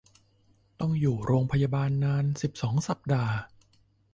ต้องอยู่โรงพยาบาลนาน สิบสอง สัปดาห์